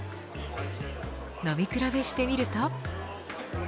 飲み比べしてみると。